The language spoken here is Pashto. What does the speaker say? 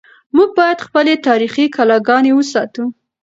موږ باید خپلې تاریخي کلاګانې وساتو.